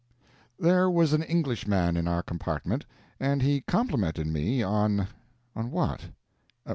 ] There was as Englishman in our compartment, and he complimented me on on what?